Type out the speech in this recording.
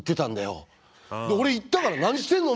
俺言ったから「何してんの？